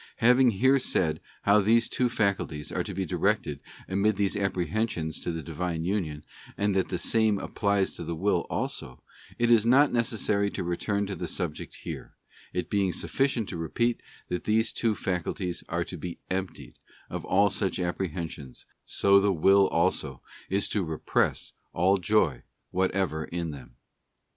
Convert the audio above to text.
Having there said how these two faculties are to be directed amid these appre hensions to the Divine union, and that the same applies to the will also, it is not necessary to return to the subject here, it being sufficient to repeat that as these two faculties are to be emptied of all such apprehensions, so the will also is to repress all joy whatever in them.